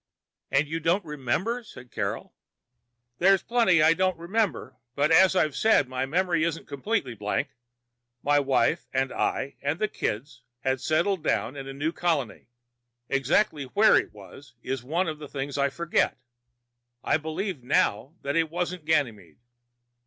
"And you don't remember " said Carol. "There's plenty I don't remember, but as I've said, my memory isn't a complete blank. My wife and I and the kids had settled down in a new colony exactly where it was is one of the things I forget. I believe now that it wasn't Ganymede.